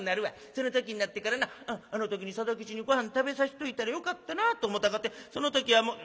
その時になってからなあの時に定吉にごはん食べさしといたらよかったなと思ったかてその時はもう。